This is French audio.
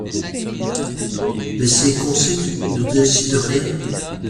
Mais ces conciles ne décident rien.